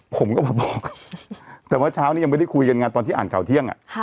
ผมก็มาบอกแต่เมื่อเช้านี้ยังไม่ได้คุยกันไงตอนที่อ่านข่าวเที่ยง